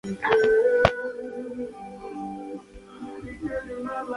Son las que impiden la realización del vendaje.